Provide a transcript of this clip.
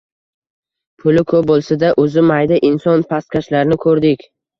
Puli ko‘p bo‘lsa-da, o‘zi «mayda» inson pastkashlarni ko‘rdik.